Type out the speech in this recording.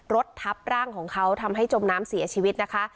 ทับร่างของเขาทำให้จมน้ำเสียชีวิตนะคะ